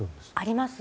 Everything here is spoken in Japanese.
あります。